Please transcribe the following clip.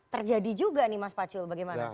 terjadi juga nih mas pacul bagaimana